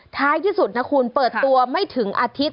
ท้ายที่สุดนะคุณเปิดตัวไม่ถึงอาทิตย์